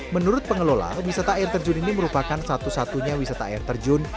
menurut pengelola wisata air terjun ini merupakan satu satunya wisata air terjun